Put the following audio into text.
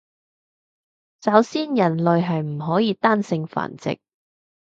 首先人類係唔可以單性繁殖